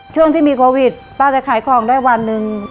ช่วงที่มีโควิดป้าจะขายของได้วันหนึ่ง